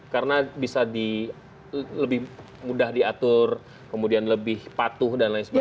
karena bisa lebih mudah diatur kemudian lebih patuh dan lain sebagainya